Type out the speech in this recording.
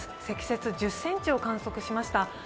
積雪１０ｃｍを観測しました。